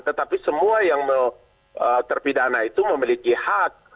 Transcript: tetapi semua yang terpidana itu memiliki hak